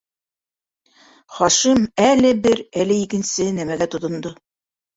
- Хашим, әле бер, әле икенсе нәмәгә тотондо.